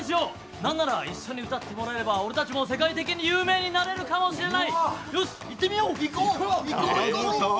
なんなら一緒に歌ってもらえれば世界的に有名になれるかもしれない！